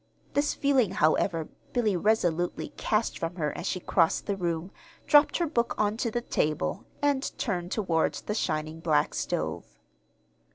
This feeling, however, Billy resolutely cast from her as she crossed the room, dropped her book on to the table, and turned toward the shining black stove.